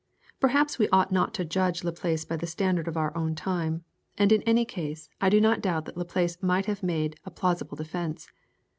Perhaps we ought not to judge Laplace by the standard of our own time, and in any case I do not doubt that Laplace might have made a plausible defence.